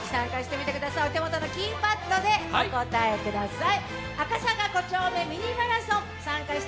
お手元のキーパッドでお答えください。